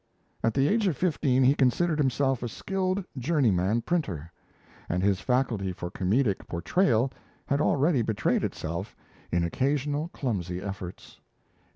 At the age of fifteen he considered himself a skilled journeyman printer; and his faculty for comedic portrayal had already betrayed itself in occasional clumsy efforts.